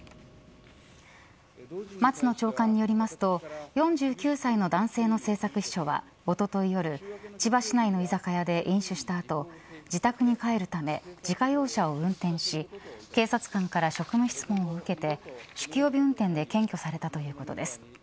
松野長官によりますと４９歳の男性の政策秘書はおととい夜千葉市内の居酒屋で飲酒した後自宅に帰るため自家用車を運転し警察官から職務質問を受けて酒気帯び運転で検挙されたということです。